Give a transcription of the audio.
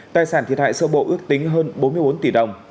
tài sản thiệt hại sơ bộ ước tính hơn bốn mươi bốn tỷ đồng